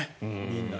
みんな。